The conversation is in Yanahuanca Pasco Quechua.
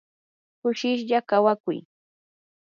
kushishlla kawakuy.